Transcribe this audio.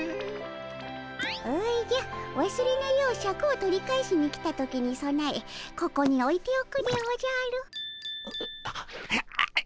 おじゃわすれぬようシャクを取り返しに来た時にそなえここにおいておくでおじゃる。